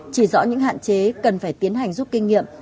chỉ rõ những hạn chế cần phải tiến hành rút kinh nghiệm